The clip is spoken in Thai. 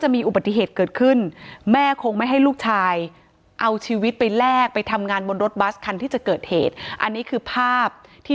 มีอุบัติเหตุเกิดขึ้นแม่คงไม่ให้ลูกชายเอาชีวิตไปแลกไปทำงานบนรถบัสคันที่จะเกิดเหตุอันนี้คือภาพที่